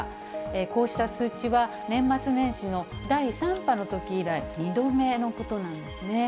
こうした通知は、年末年始の第３波のとき以来、２度目のことなんですね。